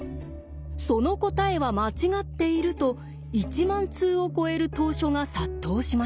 「その答えは間違っている」と１万通を超える投書が殺到しました。